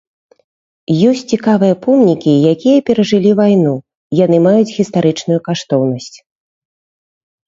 Ёсць цікавыя помнікі, якія перажылі вайну, яны маюць гістарычную каштоўнасць.